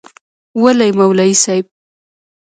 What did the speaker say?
وله یی مولوی صیب.